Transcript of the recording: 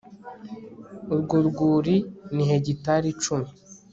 urwo rwuri ni hegitari icumi